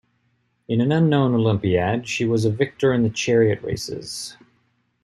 In an unknown Olympiad, she was a victor in the chariot races.